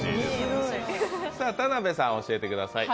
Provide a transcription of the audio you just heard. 田辺さん、教えてください。